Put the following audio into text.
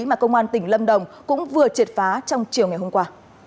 mà công an tỉnh lâm đồng cũng vừa triệt phá trong chiều ngày hôm qua